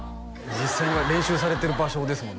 実際に練習されてる場所ですもんね